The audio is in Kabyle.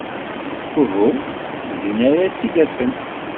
Uhu. Din ara tt-id-afen.